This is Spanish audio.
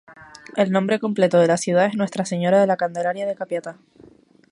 El nombre completo de la ciudad es ―Nuestra Señora de la Candelaria de Capiatá―.